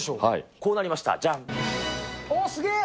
こうなりました、あっ、すげえ。